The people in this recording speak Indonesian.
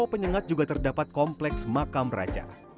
dan penyengat juga terdapat kompleks makam raja